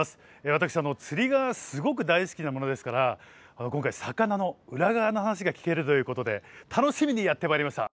私釣りがすごく大好きなものですから今回魚の裏側の話が聞けるということで楽しみにやって参りました。